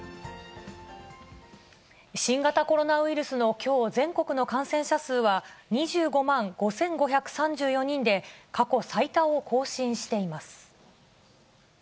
新型コロナウイルスの、きょう、全国の感染者数は、２５万５５３４人で、過去最多を更新しています。